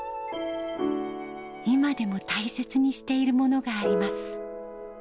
今でも大切にしているものがあります。